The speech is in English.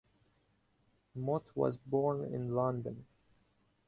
Mote was born in London.